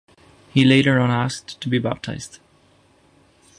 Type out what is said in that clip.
He later on asked to be baptized.